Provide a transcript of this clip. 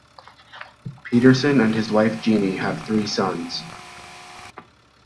Pederson and his wife Jeannie have three sons.